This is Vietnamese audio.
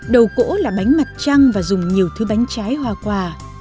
đầu cỗ là bánh mặt trăng và dùng nhiều thứ bánh trái hoa quả